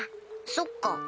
そっか。